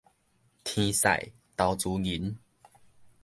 天使投資人